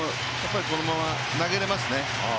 このまま投げれますね。